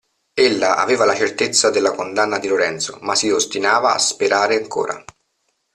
Ella aveva la certezza della condanna di Lorenzo, ma si ostinava a sperare ancora.